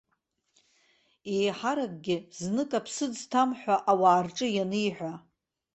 Еиҳаракгьы, знык аԥсыӡ ҭам ҳәа ауаа рҿы ианиҳәа.